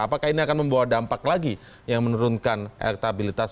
apakah ini akan membawa dampak lagi yang menurunkan elektabilitas